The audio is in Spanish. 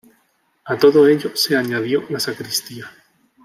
A todo ello se añadió la sacristía.